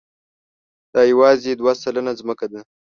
دا یواځې دوه سلنه ځمکه ده.